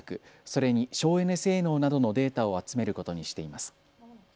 それに省エネ性能などのデータを集めることにしています。